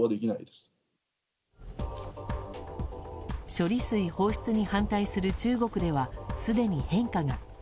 処理水放出に反対する中国ではすでに変化が。